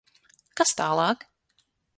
Kas tālāk?